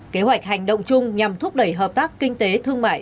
kế hoạch hành động chung nhằm thúc đẩy hợp tác kinh tế thương mại